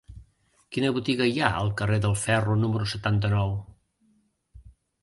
Quina botiga hi ha al carrer del Ferro número setanta-nou?